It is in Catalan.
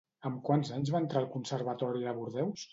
Amb quants anys va entrar al conservatori de Bordeus?